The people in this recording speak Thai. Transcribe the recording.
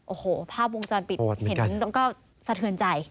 โอ้โหภาพวงจรปิดเห็นแล้วก็สะเทือนใจ